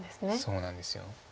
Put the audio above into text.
そうなんです。